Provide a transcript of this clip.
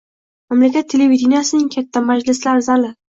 Mamlakat televideniyesining katta majlislar zali.